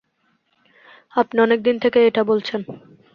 আপনি অনেক দিন থেকেই এটাই বলছেন।